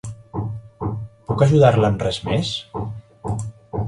Puc ajudar-la amb res més?